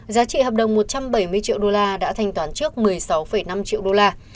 giá trị hợp đồng một trăm bảy mươi triệu đô la đã thanh toán trước một mươi sáu năm triệu đô la